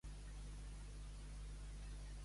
Com es trobava l'aristòcrata?